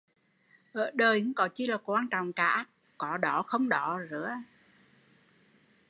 Ớ đời không có chi là quan trọng cả, có đó không đó